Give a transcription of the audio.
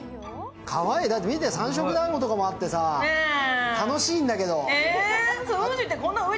かわいい、だって三色だんごとかもあってさ、楽しいんだけど。